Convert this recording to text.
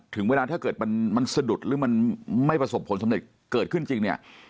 ถึงเวลาถ้าเกิดมันสะดุดหรือมันไม่ประสบผลสำเร็จเกิดขึ้นจริงเนี่ย